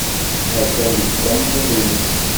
Attan deg ukamyun-nnes.